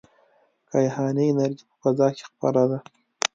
کیهاني انرژي په فضا کې خپره ده.